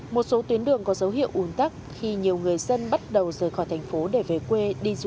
một số tuyến đường có dấu hiệu ủn tắc khi nhiều người dân bắt đầu rời khỏi thành phố để về quê